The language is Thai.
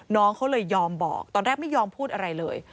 น้องเขาเลยยอมบอกตอนแรกไม่ยอมพูดอะไรเลย